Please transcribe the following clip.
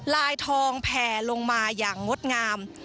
ลายทองแผ่ลงมาอย่างงดงาม